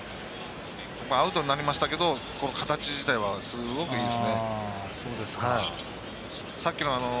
アウトになりましたけど形自体はすごくいいですね。